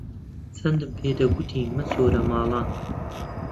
چەندەم پێ دەکوتی مەچۆرە ماڵان